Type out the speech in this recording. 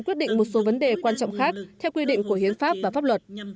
quyết định một số vấn đề quan trọng khác theo quy định của hiến pháp và pháp luật